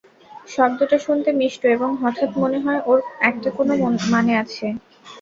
শব্দটা শুনতে মিষ্ট এবং হঠাৎ মনে হয়, ওর একটা কোনো মানে আছে।